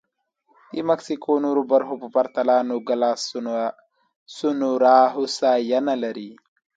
د مکسیکو نورو برخو په پرتله نوګالس سونورا هوساینه لري.